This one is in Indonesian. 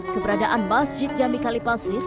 keberadaan masjid jami kalipasir